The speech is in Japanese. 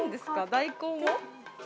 大根を？